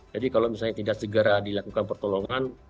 jadi kalau misalnya tidak segera dilakukan pertolongan